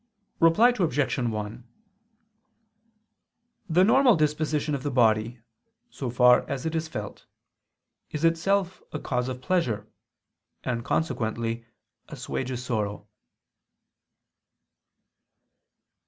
Reply Obj. 1: The normal disposition of the body, so far as it is felt, is itself a cause of pleasure, and consequently assuages sorrow.